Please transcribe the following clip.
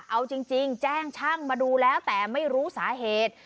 เอาจริงแจ้งช่างมาดูแล้วแต่ไม่รู้สาเหตุ